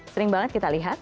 sering banget kita lihat